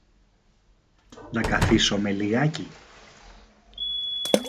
Να καθίσομε λιγάκι.